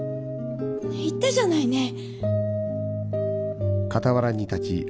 言ったじゃないねえ。